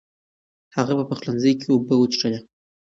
هغه په پخلنځي کې اوبه وڅښلې.